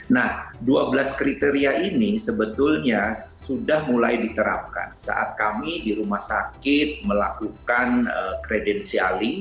nah dua belas kriteria ini sebetulnya sudah mulai diterapkan saat kami di rumah sakit melakukan kredensialing